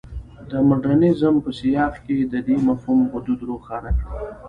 د مډرنیزم په سیاق کې د دې مفهوم حدود روښانه کړي.